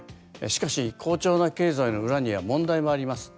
しかし好調な経済の裏には問題もあります。